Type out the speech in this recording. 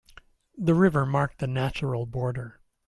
The river marked a natural border.